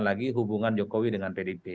lagi hubungan jokowi dengan pdip